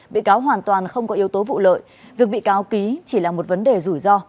bị cáo hoàn toàn không có yếu tố vụ lợi việc bị cáo ký chỉ là một vấn đề rủi ro